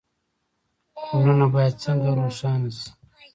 کورونه باید څنګه روښانه شي؟